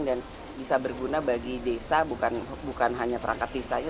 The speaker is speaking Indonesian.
dan bisa berguna bagi desa bukan hanya perangkat desanya